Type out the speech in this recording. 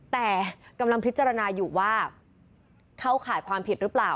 แต่กำลังพิจารณาอยู่ว่าเข้าข่ายความผิดหรือเปล่า